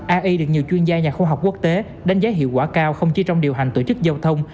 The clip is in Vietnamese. ai được nhiều chuyên gia nhà khoa học quốc tế đánh giá hiệu quả cao không chỉ trong điều hành tổ chức giao thông